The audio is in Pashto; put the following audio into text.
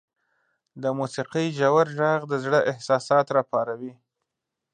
• د موسیقۍ ژور ږغ د زړه احساسات راپاروي.